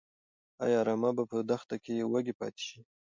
ايا رمه به په دښته کې وږي پاتې شي؟